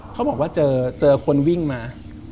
เขาบอกว่าเจอคนวิ่งมา